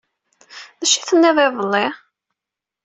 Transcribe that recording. D acu ay d-tenniḍ iḍelli?